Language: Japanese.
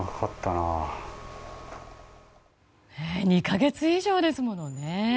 ２か月以上ですものね。